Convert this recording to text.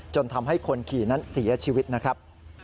จนทำให้คนขี่นั้นเสียชีวิตนะครับ